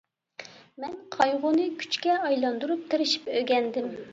مەن قايغۇنى كۈچكە ئايلاندۇرۇپ تىرىشىپ ئۆگەندىم.